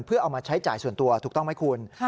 เพื่อเอามาใช้จ่ายส่วนตัวถูกต้องไหมคุณ